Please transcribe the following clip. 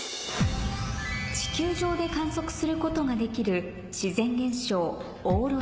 地球上で観測することができる自然現象。